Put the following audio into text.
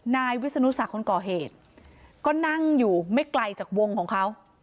นายวิศนุศักดิ์คนก่อเหตุก็นั่งอยู่ไม่ไกลจากวงของเขา